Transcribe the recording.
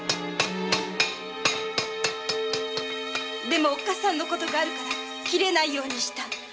でもおっ母さんの事があるから切れないようにした。